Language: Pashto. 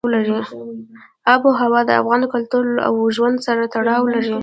آب وهوا د افغان کلتور او ژوند سره تړاو لري.